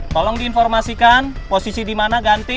tolong diinformasikan posisi dimana ganti